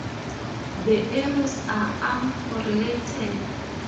The errors are uncorrelated.